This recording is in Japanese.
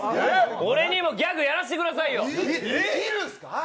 俺にもギャグやらせてくださいよ。